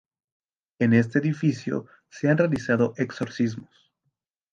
En este edificio se han realizado exorcismos.